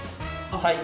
はい！